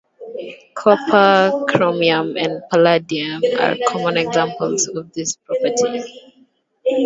Copper, chromium, and palladium are common examples of this property.